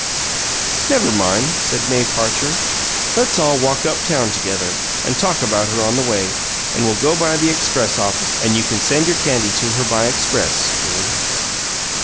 "Never mind!" said May Parcher. "Let's all walk Up town together, and talk about her on the way, and we'll go by the express office, and you can send your candy to her by express, Willie."